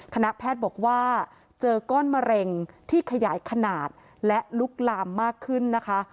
คณะแพทย์บอกว่าเจอก้อนมะเร็งที่ขยายขนาดและลุกลามมากขึ้นนะคะ